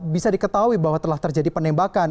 bisa diketahui bahwa telah terjadi penembakan